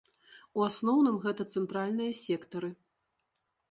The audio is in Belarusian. У асноўным гэта цэнтральныя сектары.